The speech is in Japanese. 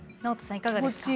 いかがですか？